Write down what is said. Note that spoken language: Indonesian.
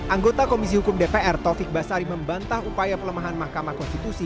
anggota komisi hukum dpr taufik basari membantah upaya pelemahan mahkamah konstitusi